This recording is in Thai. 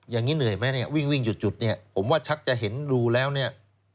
อย่างนี้เหนื่อยไหมเนี่ยวิ่งหยุดเนี่ยผมว่าชักจะเห็นดูแล้วเนี่ย